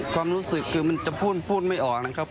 ความรู้สึกคือมันจะพูดพูดไม่ออกนะครับ